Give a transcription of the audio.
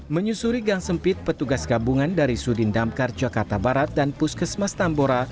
menyusuri gang sempit petugas gabungan dari sudindamkar jakarta barat dan puskesmas tambora